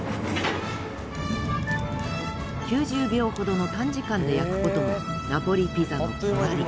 ９０秒ほどの短時間で焼く事もナポリピザの決まり。